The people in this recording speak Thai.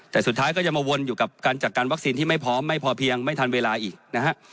แต่สุดท้ายก็จะมาวนอยู่กับการจัดการวัคซีนที่ไม่พร้อมไม่พอเพียงไม่ทันเวลาอีกนะฮะ